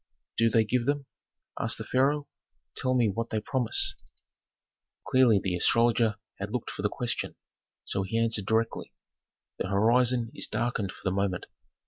"Do they give them?" asked the pharaoh. "Tell what they promise me." Clearly the astrologer had looked for the question, so he answered directly, "The horizon is darkened for the moment.